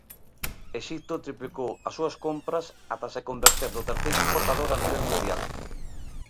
Exipto triplicou as súas compras ata se converter no terceiro importador a nivel mundial.